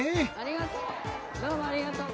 ありがとう。